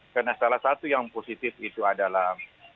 karena salah satu yang positif itu adalah